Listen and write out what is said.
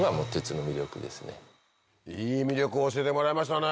いい魅力教えてもらいましたね。